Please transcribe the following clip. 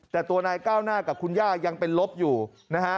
แต่ตัวนายก้าวหน้ากับคุณย่ายังเป็นลบอยู่นะฮะ